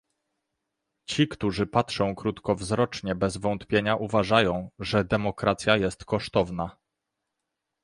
Ci, którzy patrzą krótkowzrocznie, bez wątpienia uważają, że demokracja jest kosztowna